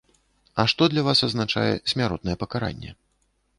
А што для вас азначае смяротнае пакаранне?